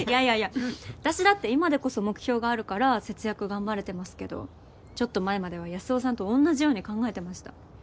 あたしだって今でこそ目標があるから節約頑張れてますけどちょっと前までは安生さんとおんなじように考えてました。